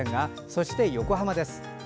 そして横浜です。